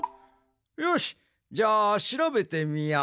よしじゃあしらべてみよう。